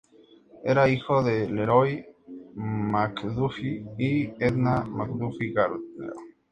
Era hijo de Leroy McDuffie y Edna McDuffie Gardner.